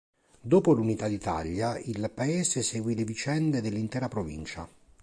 Dopo l'Unità d'Italia il paese seguì le vicende dell'intera provincia.